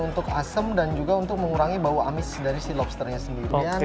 untuk asam dan juga untuk mengurangi bau amis dari lobsternya saya tambahkan mayonnaise